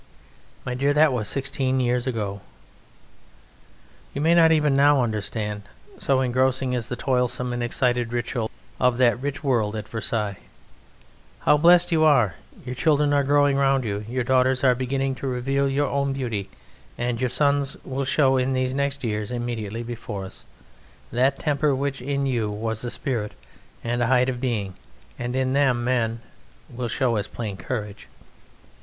My dear, that was sixteen years ago. You may not even now understand, so engrossing is the toilsome and excited ritual of that rich world at Versailles, how blest you are: your children are growing round you: your daughters are beginning to reveal your own beauty, and your sons will show in these next years immediately before us that temper which in you was a spirit and a height of being, and in them, men, will show as plain courage.